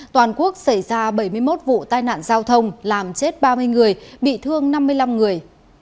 toàn quốc xảy ra bảy mươi một vụ tai nạn giao thông làm chết ba mươi người bị thương năm mươi năm người